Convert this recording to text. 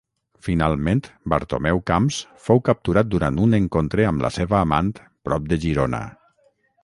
Finalment Bartomeu Camps fou capturat durant un encontre amb la seva amant prop de Girona.